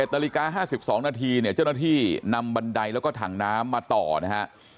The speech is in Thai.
นาฬิกา๕๒นาทีเนี่ยเจ้าหน้าที่นำบันไดแล้วก็ถังน้ำมาต่อนะฮะ